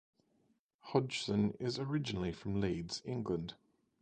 Hodgson is originally from Leeds, England.